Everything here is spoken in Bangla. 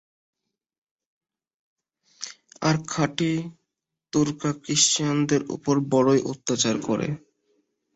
আর খাঁটি তুর্করা ক্রিশ্চানদের উপর বড়ই অত্যাচার করে।